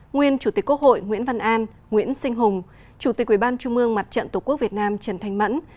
nguyên chủ tịch quốc hội nguyễn văn an nguyễn sinh hùng chủ tịch quỹ ban trung mương mặt trận tổ quốc việt nam trần thanh mẫn